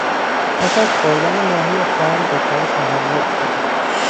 پس از خوردن ماهی خام دچار تهوع شدم.